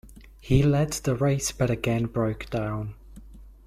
He led the race but again broke down.